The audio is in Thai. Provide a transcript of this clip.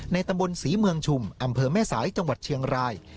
ตำบลศรีเมืองชุมอำเภอแม่สายจังหวัดเชียงราย